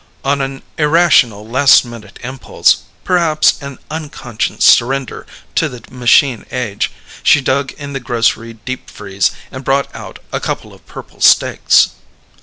On an irrational last minute impulse perhaps an unconscious surrender to the machine age she dug in the grocery deep freeze and brought out a couple of purple steaks.